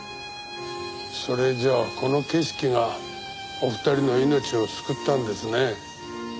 それじゃあこの景色がお二人の命を救ったんですね。